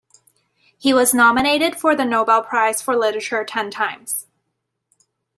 He was nominated for the Nobel prize for literature ten times.